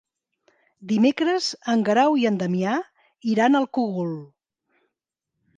Dimecres en Guerau i en Damià iran al Cogul.